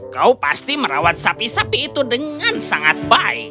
kau pasti merawat sapi sapi itu dengan sangat baik